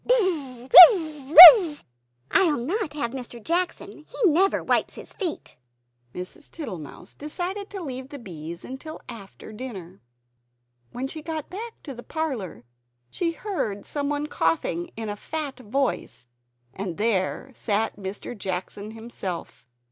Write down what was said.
"Bizz, Wizz, Wizzz!" "I will not have Mr. Jackson; he never wipes his feet." Mrs. Tittlemouse decided to leave the bees till after dinner. When she got back to the parlor, she heard some one coughing in a fat voice; and there sat Mr. Jackson himself.